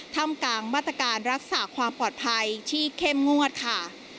ทำกลางมาตรการรักษาความปลอดภัยที่เข้มงวดค่ะ